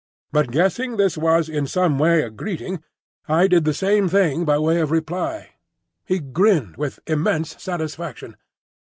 But guessing this was in some way a greeting, I did the same thing by way of reply. He grinned with immense satisfaction.